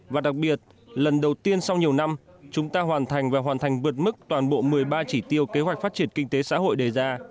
và đặc biệt lần đầu tiên sau nhiều năm chúng ta hoàn thành và hoàn thành vượt mức toàn bộ một mươi ba chỉ tiêu kế hoạch phát triển kinh tế xã hội đề ra